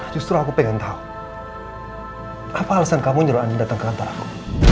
justru aku pengen tau apa alasan kamu nyuruh andien datang ke kantor aku